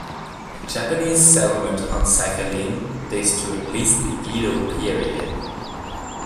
Japanese settlement on Sakhalin dates to at least the Edo period.